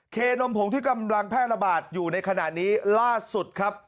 เคนมผงที่กำลังแพร่ระบาดอยู่ในขณะนี้ล่าสุดครับ